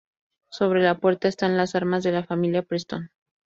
Sobre la puerta están las armas de la familia Preston.